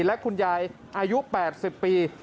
และคุณยายอายุ๘๐ปี